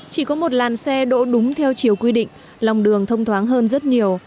chỉ có một làn xe đỗ đúng theo chiều quy định lòng đường thông thoáng hơn rất nhiều